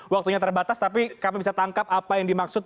waktunya terbatas tapi kami bisa tangkap apa yang dimaksud